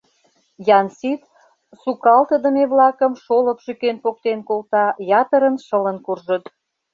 Янсит сукалтыдыме-влакым шолып шӱкен поктен колта — ятырын шылын куржыт.